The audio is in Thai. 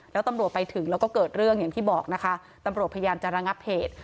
แล้วตำรวจไปถึงแล้วก็เกิดเรื่องอย่างที่บอกนะคะตำรวจพยายามจะระงับเหตุ